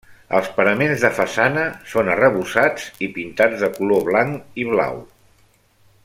Els paraments de façana són arrebossats i pintats de color blanc i blau.